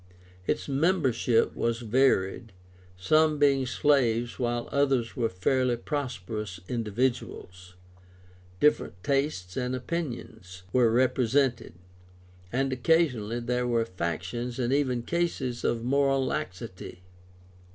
Its membership was varied, some being slaves while others were fairly prosperous individuals. Different tastes and opinions were represented, and occasionally there were factions and even cases of moral laxity (e.